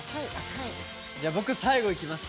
じゃ、僕、最後いきます。